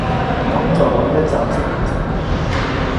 噉就可以一站式完成啦